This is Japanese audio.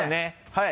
はい。